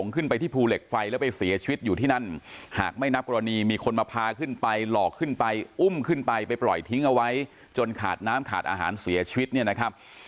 ขึ้นไปไปปล่อยทิ้งเอาไว้จนขาดน้ำขาดอาหารเสียชีวิตเนี่ยนะครับ